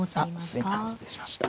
あっ失礼しました。